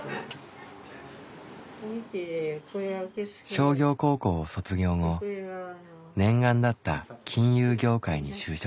商業高校を卒業後念願だった金融業界に就職。